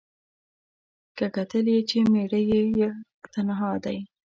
که کتل یې چي مېړه یې یک تنها دی